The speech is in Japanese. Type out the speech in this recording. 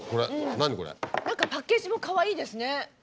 何かパッケージもかわいいですね。